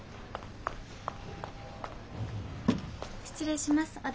失礼します。